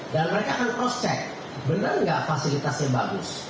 dan mereka akan cross check benar gak fasilitasnya bagus